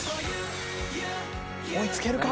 追いつけるか？